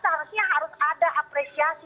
seharusnya harus ada apresiasi